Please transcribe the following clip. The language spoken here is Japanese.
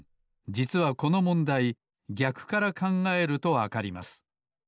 じつはこのもんだいぎゃくからかんがえるとわかります。